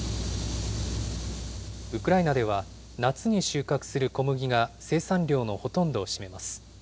ウクライナでは、夏に収穫する小麦が生産量のほとんどを占めます。